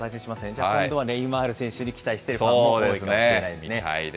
じゃあ、今度はネイマールに期待している方も多いかもしれないですね。